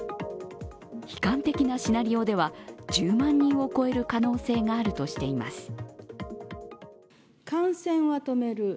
悲観的なシナリオでは１０万人を超える可能性があるとしています。